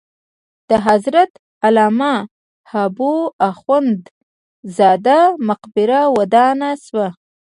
د حضرت علامه حبو اخند زاده مقبره ودانه شوه.